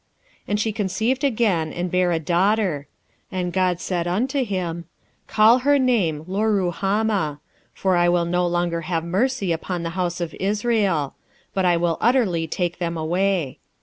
1:6 And she conceived again, and bare a daughter. And God said unto him, Call her name Loruhamah: for I will no more have mercy upon the house of Israel; but I will utterly take them away.